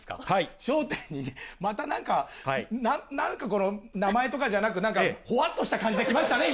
笑点、またなんか、なんかこの、名前とかじゃなく、なんか、ほわっとした感じできましたね、今。